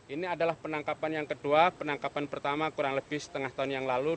ini adalah penangkapan yang kedua penangkapan pertama kurang lebih setengah tahun yang lalu